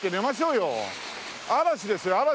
嵐ですよ嵐。